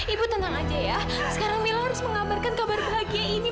ibu tenang aja ya sekarang mila harus mengabarkan kabar bahagia ini